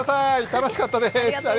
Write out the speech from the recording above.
楽しかったです。